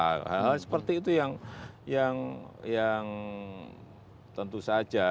hal hal seperti itu yang tentu saja